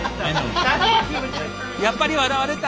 やっぱり笑われた。